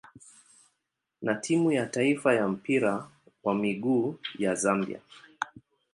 na timu ya taifa ya mpira wa miguu ya Zambia.